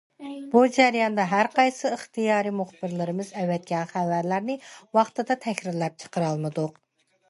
بۇ جەرياندا ھەر قايسى ئىختىيارىي مۇخبىرلىرىمىز ئەۋەتكەن خەۋەرلەرنى ۋاقتىدا تەھرىرلەپ چىقىرالمىدۇق.